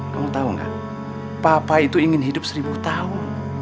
kamu tahu nggak papa itu ingin hidup seribu tahun